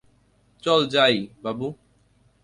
চল যাই, বাবু।